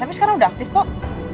tapi sekarang udah aktif kok